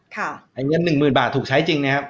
อย่างนั้น๑๐๐๐๐บาทถูกใช้จริงนะครับ